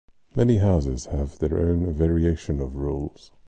Many houses have their own variation of rules.